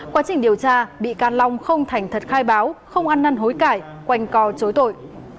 quá trình điều tra bị can long không thành thật khai báo không ăn năn hối cải quanh co chối tội